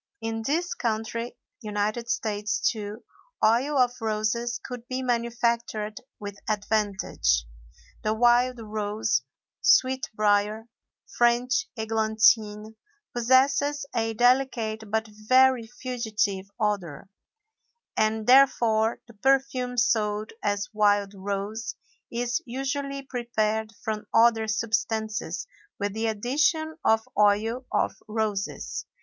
In this country (U. S.), too, oil of roses could be manufactured with advantage. The wild rose, sweet brier, French églantine, possesses a delicate but very fugitive odor, and therefore the perfume sold as wild rose is usually prepared from other substances with the addition of oil of roses.